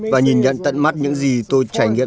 và nhìn nhận tận mắt những gì tôi trải nghiệm